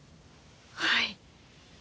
はい。